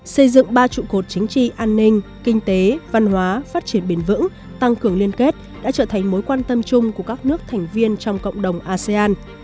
xây dựng ba trụ cột chính trị an ninh kinh tế văn hóa phát triển bền vững tăng cường liên kết đã trở thành mối quan tâm chung của các nước thành viên trong cộng đồng asean